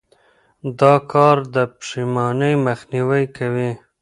دا کار د پښېمانۍ مخنیوی کوي.